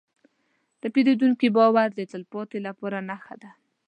د پیرودونکي باور د تلپاتې بری نښه ده.